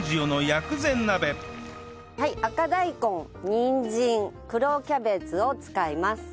赤大根にんじん黒キャベツを使います。